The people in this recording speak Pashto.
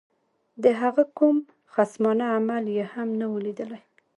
د هغه کوم خصمانه عمل یې هم نه وو لیدلی.